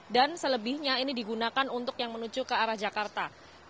selebihnya ini digunakan untuk yang menuju ke arah jakarta